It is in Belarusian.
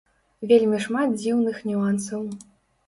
Вельмі шмат дзіўных нюансаў.